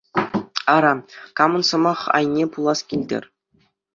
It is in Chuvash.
Ара, камӑн сӑмах айне пулас килтӗр?